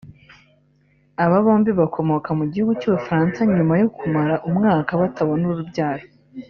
Aba bombi bakomoka mu gihugu cy’u Bufaransa nyuma yo kumara umwaka batabona urubyaro